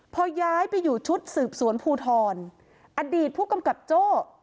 พอย้ายไปอยู่ชุดสืบสวนภูทรอดีตผู้กำกับโจ้